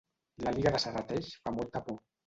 L'àliga de Serrateix fa molta por